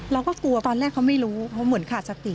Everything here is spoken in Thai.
เราก็กลัวตอนแรกเขาไม่รู้เขาเหมือนขาดสติ